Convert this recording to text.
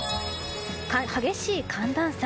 激しい寒暖差。